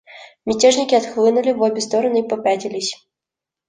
Мятежники отхлынули в обе стороны и попятились.